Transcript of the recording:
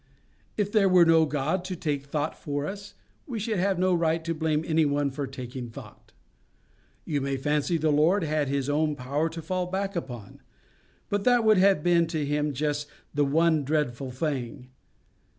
If there were no God to take thought for us, we should have no right to blame any one for taking thought. You may fancy the Lord had His own power to fall back upon. But that would have been to Him just the one dreadful thing.